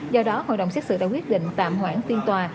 do đó hội đồng xét xử đã quyết định tạm hoãn phiên tòa